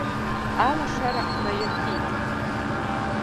Алашара наиркит.